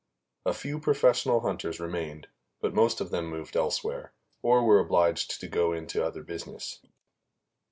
A few professional hunters remained, but most of them moved elsewhere, or were obliged to go into other business.